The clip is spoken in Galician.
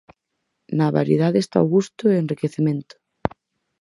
Na variedade está o gusto e o enriquecemento.